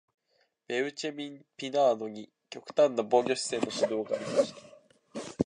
ベウチェミン・ピナードに極端な防御姿勢の指導がありました。